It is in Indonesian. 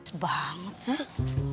biasa banget sih